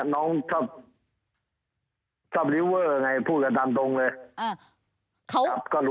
น้องชอบลิเวอร์ไงพูดกันตามตรงเลย